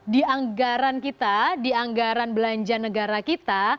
di anggaran kita di anggaran belanja negara kita